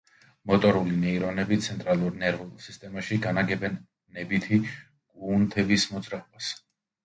მოტორული ნეირონები ცენტრალურ ნერვულ სისტემაში განაგებენ ნებითი კუნთების მოძრაობას.